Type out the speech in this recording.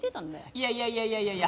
いやいやいやいやいやいや。